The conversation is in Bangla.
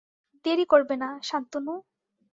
দেরী করবে না, শান্তনু।